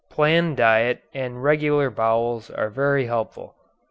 Planned diet and regular bowels are very helpful.